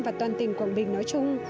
và toàn tỉnh quảng bình nói chung